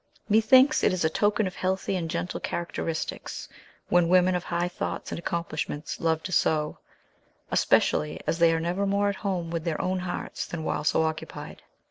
Methinks it is a token of healthy and gentle characteristics, when women of high thoughts and accomplishments love to sew; especially as they are never more at home with their own hearts than while so occupied.